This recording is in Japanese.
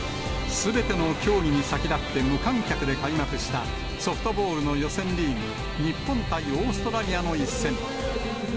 すべての競技に先立って、無観客で開幕したソフトボールの予選リーグ、日本対オーストラリアの一戦。